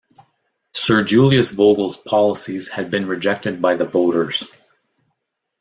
Sir Julius Vogel's policies had been rejected by the voters.